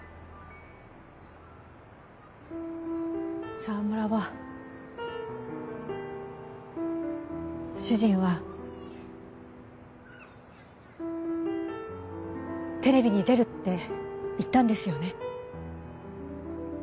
澤村は主人はテレビに出るって言ったんですよね？